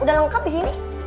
udah lengkap disini